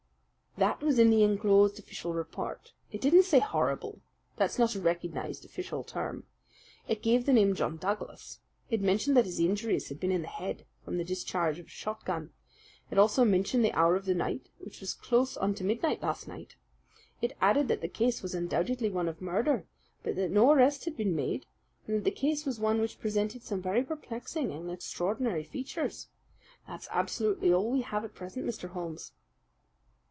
"That was in the inclosed official report. It didn't say 'horrible': that's not a recognized official term. It gave the name John Douglas. It mentioned that his injuries had been in the head, from the discharge of a shotgun. It also mentioned the hour of the alarm, which was close on to midnight last night. It added that the case was undoubtedly one of murder, but that no arrest had been made, and that the case was one which presented some very perplexing and extraordinary features. That's absolutely all we have at present, Mr. Holmes."